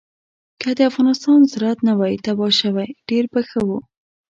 که د افغانستان زراعت نه وی تباه شوی ډېر به ښه وو.